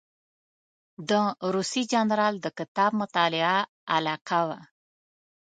د روسي جنرال د کتاب مطالعه علاقه وه.